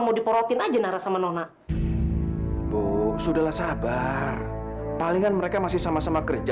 mau diporotin aja nara sama nona bu sudahlah sabar palingan mereka masih sama sama kerja